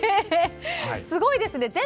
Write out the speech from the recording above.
すごいですね。